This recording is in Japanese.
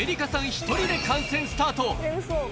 １人で観戦スタート。